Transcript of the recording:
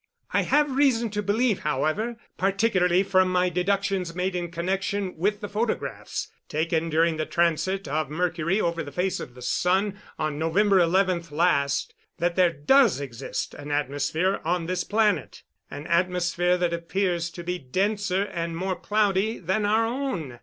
I have reason to believe, however, particularly from my deductions made in connection with the photographs taken during the transit of Mercury over the face of the sun on November 11 last, that there does exist an atmosphere on this planet an atmosphere that appears to be denser and more cloudy than our own.